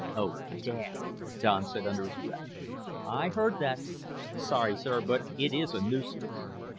"Oh, damn," Don said under his breath. "I heard that." "Sorry, sir, but it is a nuisance."